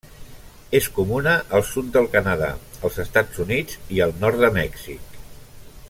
És comuna al sud del Canadà, als Estats Units i al nord de Mèxic.